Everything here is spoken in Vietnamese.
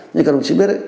như các đồng chí biết